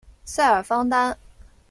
塞尔方丹。